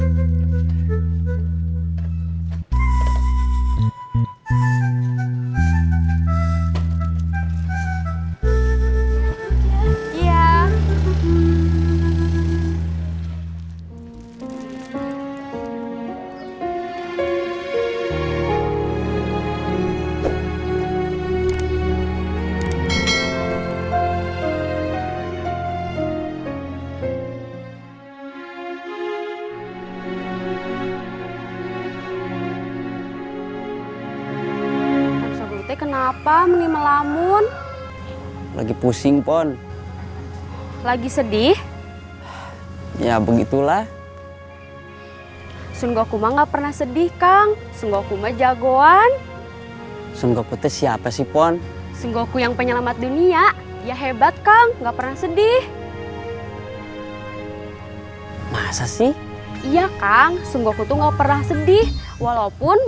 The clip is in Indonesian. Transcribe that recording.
ya assalamualaikum waalaikumsalam waalaikumsalam waalaikumsalam